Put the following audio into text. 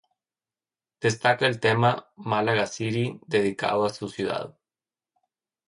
Destaca el tema "Málaga City" dedicado a su ciudad.